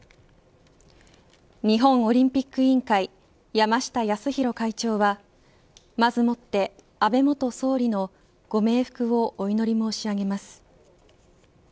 日本オリンピック委員会山下泰裕会長はまずもって安倍元総理のご冥福をお祈り申し上げます。